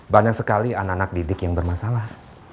banyak sekali anak anak didik yang bermasalah